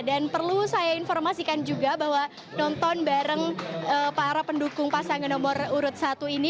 dan perlu saya informasikan juga bahwa nonton bareng para pendukung pasangan nomor urut satu ini